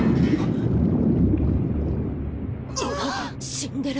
死んでる。